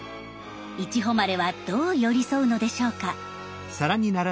いちほまれはどう寄り添うのでしょうか。